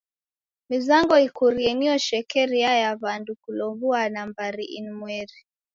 Mizango ikurie nio shekeria ya w'andu kulow'uana mbari inmweri.